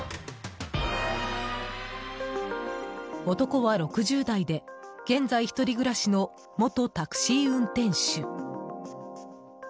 男は６０代で、現在１人暮らしの元タクシー運転手。